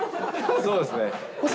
そうですね。